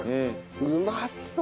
うまそう！